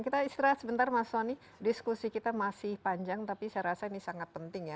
kita istirahat sebentar mas soni diskusi kita masih panjang tapi saya rasa ini sangat penting ya